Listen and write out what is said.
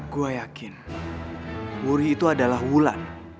gue yakin wuri itu adalah wulan